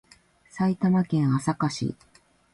埼玉県朝霞市